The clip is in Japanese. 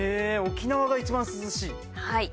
沖縄が一番涼しい？